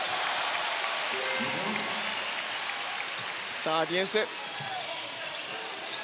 さあ、ディフェンス。